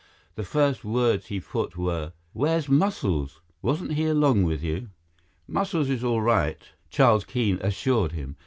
The first words he put were: "Where's Muscles? Wasn't he along with you?" "Muscles is all right," Charles Keene assured him.